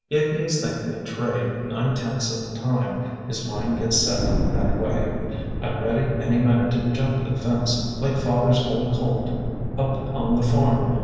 If he is thinking of trade nine tenths of the time, his mind gets set that way. I'm ready any minute to jump the fence, like father's old colt up on the farm.